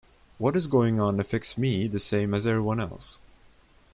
What is going on affects me the same as everyone else.